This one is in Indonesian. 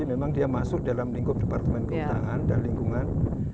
memang dia masuk dalam lingkup departemen kehutanan dan lingkungan